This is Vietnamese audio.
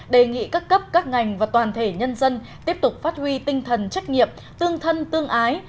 đề nghị các cấp các ngành và toàn thể nhân dân tiếp tục phát huy tinh thần trách nhiệm tương thân tương ái